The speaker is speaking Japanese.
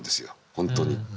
本当に。